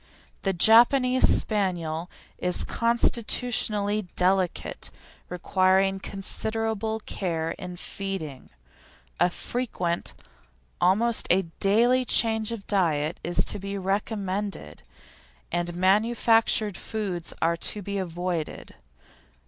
The Japanese Spaniel is constitutionally delicate, requiring considerable care in feeding. A frequent almost a daily change of diet is to be recommended, and manufactured foods are to be avoided.